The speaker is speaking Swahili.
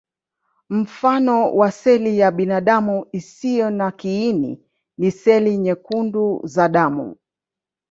Mfano wa seli ya binadamu isiyo na kiini ni seli nyekundu za damu.